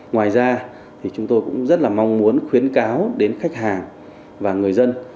ngoài ra thì chúng tôi cũng rất là mong muốn khuyến cáo đến khách hàng và người dân